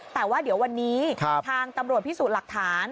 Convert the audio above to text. แต่ว่าเดี๋ยววันนี้ทางตำรวจพิสูจน์หลักฐาน